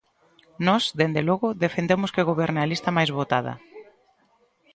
Nós, dende logo, defendemos que goberne a lista máis votada.